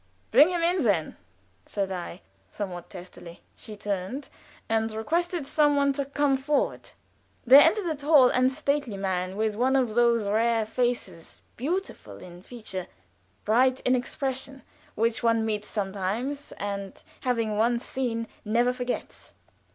"Bring him in then," said I, somewhat testily. She turned and requested some one to come forward. There entered a tall and stately man, with one of those rare faces, beautiful in feature, bright in expression, which one meets sometimes, and, having once seen, never forgets.